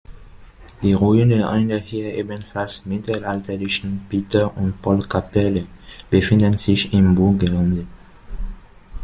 Die Ruine einer hier ebenfalls mittelalterlichen Peter- und Paul-Kapelle befinden sich im Burggelände.